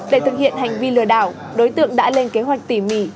để thực hiện hành vi lừa đảo đối tượng đã lên kế hoạch tỉ mỉ